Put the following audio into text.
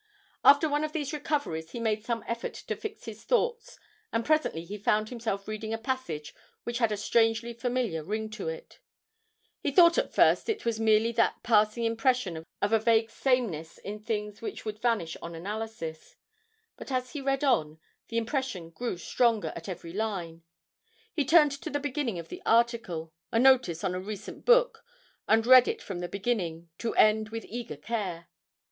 After one of these recoveries he made some effort to fix his thoughts, and presently he found himself reading a passage which had a strangely familiar ring in it he thought at first it was merely that passing impression of a vague sameness in things which would vanish on analysis but, as he read on, the impression grew stronger at every line. He turned to the beginning of the article, a notice on a recent book, and read it from beginning to end with eager care.